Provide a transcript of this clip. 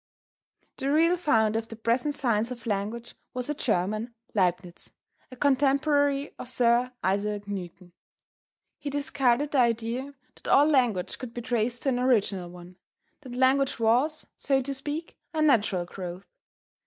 The real founder of the present science of language was a German, Leibnitz a contemporary of Sir Isaac Newton. He discarded the idea that all language could be traced to an original one. That language was, so to speak, a natural growth.